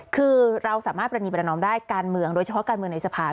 คือเราสามารถปรณีประนอมได้การเมืองโดยเฉพาะการเมืองในสภา